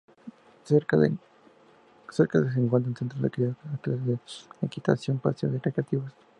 Cerca se encuentra un centro de cría con clases de equitación y paseos recreativos.